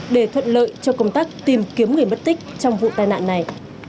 để thuận lợi cho công tác tìm kiếm người mất tích trong vụ tai nạn này